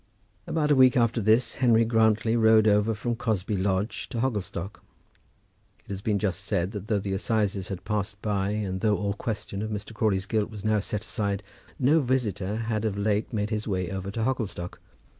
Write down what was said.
About a week after this Henry Grantly rode over from Cosby Lodge to Hogglestock. It has been just said that though the assizes had passed by and though all question of Mr. Crawley's guilt was now set aside, no visitor had of late made his way over to Hogglestock.